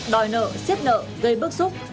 đòi nợ xiếp nợ gây bức xúc